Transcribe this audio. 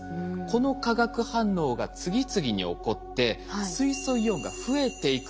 この化学反応が次々に起こって水素イオンが増えていく現象